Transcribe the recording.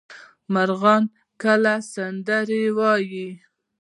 مرغان کله سندرې وايي؟